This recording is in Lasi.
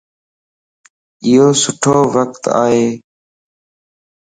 ايو سٺو وقت ائي